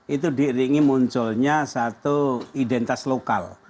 itu diiringi munculnya satu identitas lokal